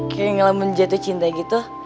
kaya ngelamun jatuh cinta gitu